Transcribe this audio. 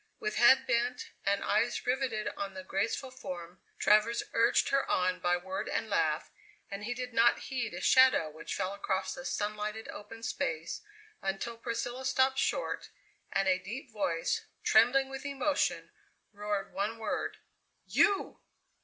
With head bent and eyes riveted on the graceful form, Travers urged her on by word and laugh, and he did not heed a shadow which fell across the sunlighted, open space, until Priscilla stopped short, and a deep voice trembling with emotion roared one word: "You!"